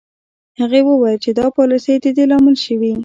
هغه وویل چې دا پالیسۍ د دې لامل شوې